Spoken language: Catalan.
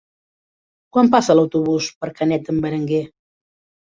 Quan passa l'autobús per Canet d'en Berenguer?